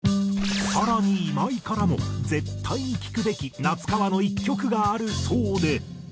更に今井からも絶対に聴くべき夏川の１曲があるそうで。